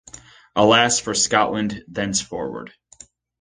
Alas for Scotland thenceforward.